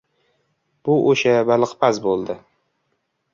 Bu o‘sha baliqpaz bo‘ldi.